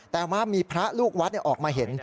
แต่ว่ามีพระลูกวัดออกมาเห็น